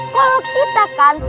kalau kita kan